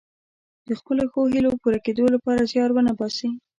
د خپلو ښو هیلو پوره کیدو لپاره زیار ونه باسي.